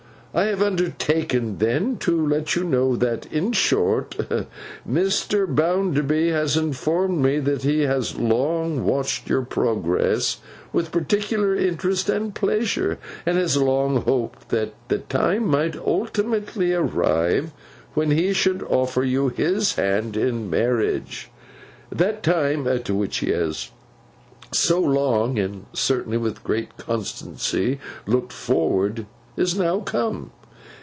I have undertaken then to let you know that—in short, that Mr. Bounderby has informed me that he has long watched your progress with particular interest and pleasure, and has long hoped that the time might ultimately arrive when he should offer you his hand in marriage. That time, to which he has so long, and certainly with great constancy, looked forward, is now come.